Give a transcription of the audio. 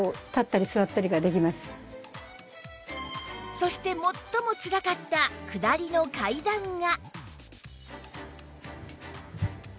そして最もつらかった下りの階段が